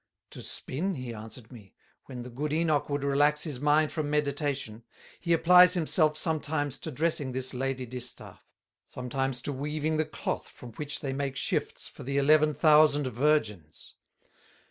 "To spin," he answered me; "when the good Enoch would relax his mind from meditation, he applies himself sometimes to dressing this Lady distaff, sometimes to weaving the cloth from which they make Shifts for the eleven thousand Virgins.